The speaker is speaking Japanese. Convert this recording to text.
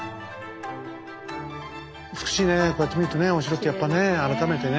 美しいねこうやって見るとねお城ってやっぱね改めてね。